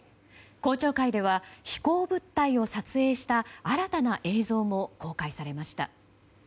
公聴会では、飛行物体を撮影した新たな映像も公開されました。